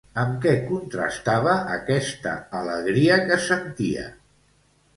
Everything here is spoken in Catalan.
Amb què contrastava aquesta alegria que sentia?